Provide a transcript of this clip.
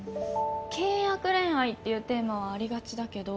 契約恋愛っていうテーマはありがちだけど